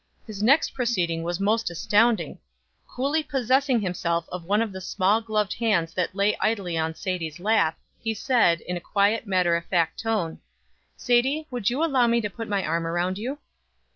His next proceeding was most astounding; coolly possessing himself of one of the small gloved hands that lay idly in Sadie's lap, he said, in a quiet, matter of fact tone: "Sadie, would you allow me to put my arm around you?"